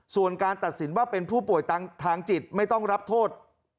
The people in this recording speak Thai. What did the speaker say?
ส่วนการตัดสินว่าเป็นผู้ป่วยทางจิตไม่ต้องรับโทษ